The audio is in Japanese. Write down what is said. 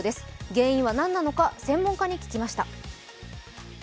原因は何なのか、専門家に聞きました。